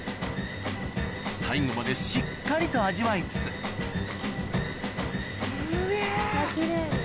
最後までしっかりと味わいつつすげぇ！